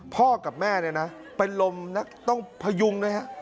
พ่อกับแม่เนี่ยนะเป็นลมนะต้องพยุงนะครับ